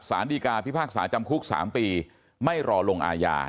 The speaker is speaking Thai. สารดีกาพิพากษาจำคุก๓ปีไม่รอลงอาญา